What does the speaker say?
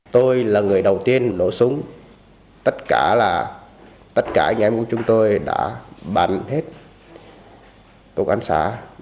tôi là người đầu tiên nổ súng tất cả là tất cả anh em của chúng tôi đã bắn hết tục án xã